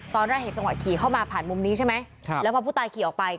ตอนแรกเห็นจังหวะขี่เข้ามาผ่านมุมนี้ใช่ไหมแล้วพอผู้ตายขี่ออกไป